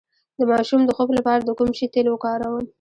د ماشوم د خوب لپاره د کوم شي تېل وکاروم؟